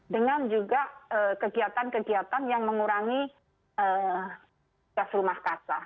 dengan juga kegiatan kegiatan yang mengurangi gas rumah kaca